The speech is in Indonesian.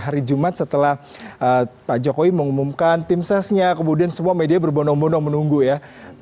hari jumat setelah pak jokowi mengumumkan tim sesnya kemudian semua media berbonong bondong menunggu ya